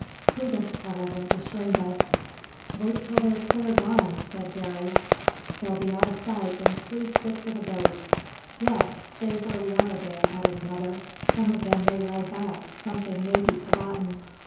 Prudence, however, restrained us. "Wait till they're clar gone," said Garey. "They'll be out o' sight in three skips o' a goat." "Yes! stay where we are a bit," added another; "some of them may ride back; something may be forgotten."